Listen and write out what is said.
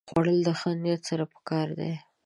خوړل د ښه نیت سره پکار دي